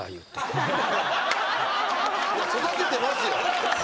いや育ててますよ。